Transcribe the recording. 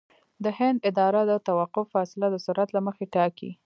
د هند اداره د توقف فاصله د سرعت له مخې ټاکي